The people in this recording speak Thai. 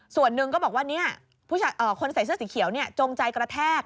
ส่วนหนึ่งก็บอกว่าคนใส่เสื้อสีเขียวจงใจกระแทก